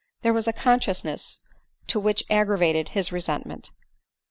There was a consciousness too which aggravated his resentment.